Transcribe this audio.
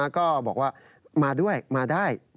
ก็บอกว่ามาด้วยมาได้